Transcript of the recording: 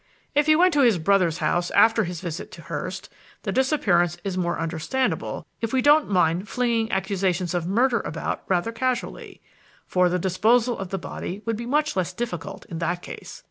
"If he went to his brother's house after his visit to Hurst, the disappearance is more understandable if we don't mind flinging accusations of murder about rather casually; for the disposal of the body would be much less difficult in that case.